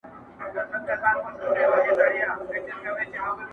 راسه چي دي حسن ته جامي د غزل واغوندم.